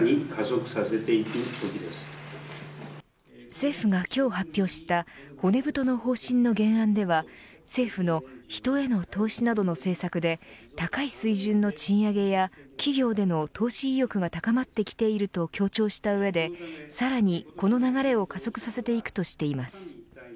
政府が今日発表した骨太の方針の原案では政府の人への投資などの政策で高い水準の賃上げや企業での投資意欲が高まってきていると強調した上で、さらにこの流れを加速させていくとしています。